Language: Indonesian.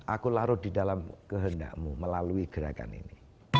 aku larut di dalam kehendakmu melalui gerakan ini